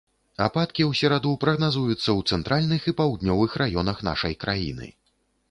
Ападкі ў сераду прагназуюцца ў цэнтральных і паўднёвых раёнах нашай краіны.